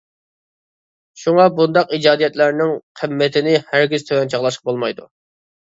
شۇڭا بۇنداق ئىجادىيەتلەرنىڭ قىممىتىنى ھەرگىز تۆۋەن چاغلاشقا بولمايدۇ!